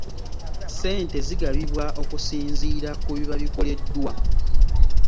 Ssente zigabibwa okusinziira ku biba bikoleddwa.